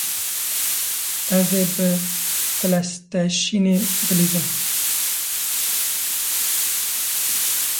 Ezê bi pilêstêşinê di lîz im